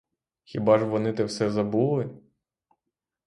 Хіба ж вони те все забули?